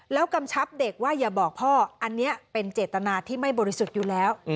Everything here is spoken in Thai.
แล้วกำชับเด็กว่าอย่าบอกพ่ออันนี้เป็นเจตนาที่ไม่บริสุทธิ์อยู่แล้ว